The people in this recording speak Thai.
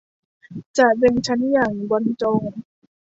จัดเรียงชั้นอย่างบรรจง